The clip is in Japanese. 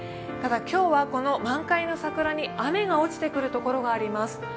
ただ今日はこの満開の桜に雨が落ちてくるところがあります。